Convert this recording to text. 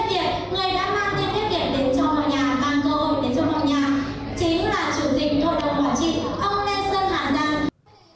và cơ hội đến cho hồ nhà chính là chủ tịch hội đồng quản trị ông nelson hà giang